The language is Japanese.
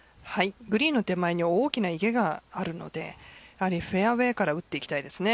グリーンの手前に大きな池があるのでフェアウエーから打っていきたいですね。